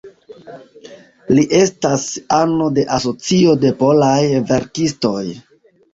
Li estas ano de Asocio de Polaj Verkistoj.